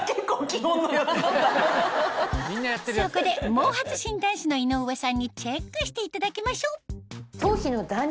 そこで毛髪診断士の井上さんにチェックしていただきましょう